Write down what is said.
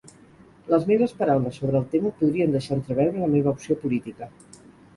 Les meves paraules sobre el tema podrien deixar entreveure la meva opció política.